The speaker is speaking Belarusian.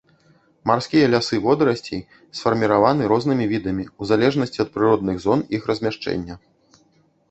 Марскія лясы водарасцей сфарміраваны рознымі відамі, у залежнасці ад прыродных зон іх размяшчэння.